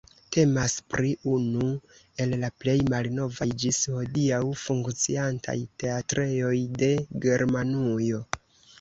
Temas pri unu el la plej malnovaj ĝis hodiaŭ funkciantaj teatrejoj de Germanujo.